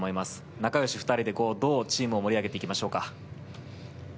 仲良し２人で、どうチームを盛り上げていきましょうか。